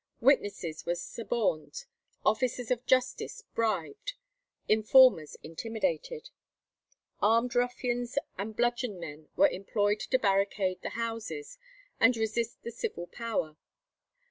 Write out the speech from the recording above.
Witnesses were suborned, officers of justice bribed, informers intimidated. Armed ruffians and bludgeon men were employed to barricade the houses and resist the civil power.